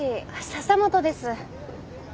笹本です。